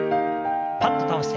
パッと倒して。